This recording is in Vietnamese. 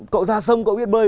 cậu ra sông cậu biết bơi